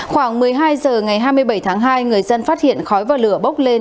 khoảng một mươi hai h ngày hai mươi bảy tháng hai người dân phát hiện khói và lửa bốc lên